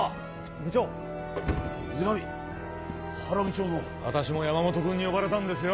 部長水上原部長も私も山本君に呼ばれたんですよ